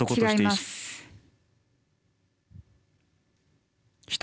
違います。